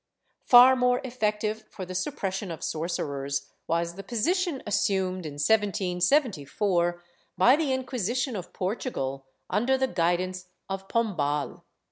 Far more effective for the suppression of sorcerers was the position assumed, in 1774, by the Inquisition of Portugal under the guidance of Pombal.